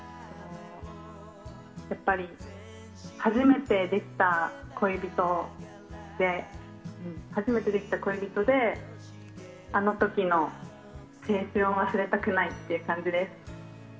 やっぱり初めてできた恋人であの時の青春を忘れたくないっていう感じです。